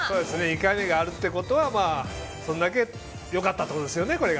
２回目があるということはそれだけ良かったってことですよね。